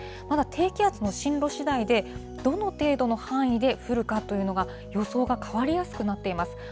まだ低気圧の進路しだいで、どの程度の範囲で降るかというのが、予想が変わりやすくなっています。